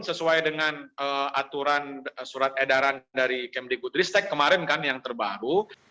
sesuai dengan aturan surat edaran dari kemdikbud ristek kemarin kan yang terbaru